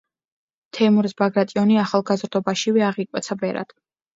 თეიმურაზ ბაგრატიონი ახალგაზრდობაშივე აღიკვეცა ბერად.